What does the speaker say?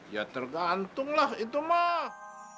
ya tergantung lah itu mah